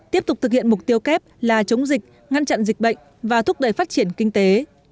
tiếp tục thực hiện mục tiêu kép là chống dịch ngăn chặn dịch bệnh và thúc đẩy phát triển kinh tế